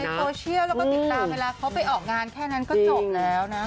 โซเชียลแล้วก็ติดตามเวลาเขาไปออกงานแค่นั้นก็จบแล้วนะ